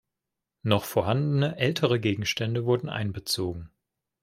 Noch vorhandene ältere Gegenstände wurden einbezogen.